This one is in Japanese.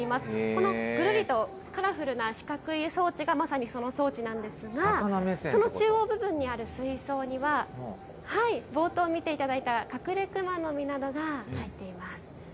この、ぐるりとカラフルな四角い装置が、まさにその装置なんですが、その中央部分にある水槽には、冒頭見ていただいたカクレクマノミなどが入っています。